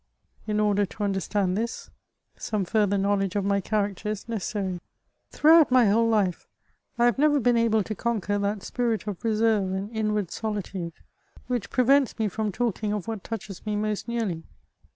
In order to understand this, some further know ledge of my character is necessary. Throughout my whole life I have never been able to conquer that spirit of reserve and inward solitude, which prevents me from talking of what touches me most nearly.